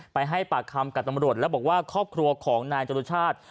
ให้ปากคำกับตำรวจแล้วบอกว่าครอบครัวของนายจรุชาติ